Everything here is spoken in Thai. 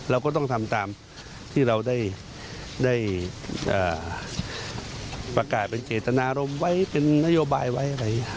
เราก็ต้องทำตามที่เราได้ประกาศเป็นเกตนารมณ์ไว้เป็นนโยบายไว้